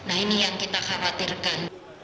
nah ini yang kita khawatirkan